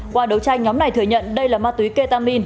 qua đấu tranh nhóm này thừa nhận đây là ma túy ketamin